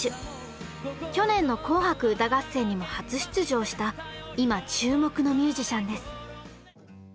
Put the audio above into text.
去年の「紅白歌合戦」にも初出場した今注目のミュージシャンです。